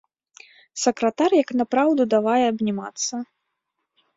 Сакратар як напраўду давай абнімацца.